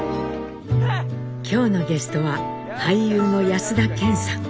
今日のゲストは俳優の安田顕さん。